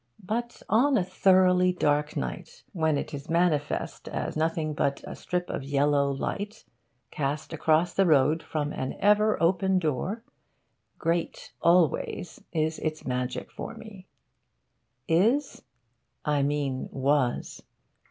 But on a thoroughly dark night, when it is manifest as nothing but a strip of yellow light cast across the road from an ever open door, great always is its magic for me. Is? I mean was.